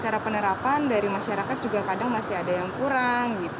secara penerapan dari masyarakat juga kadang masih ada yang kurang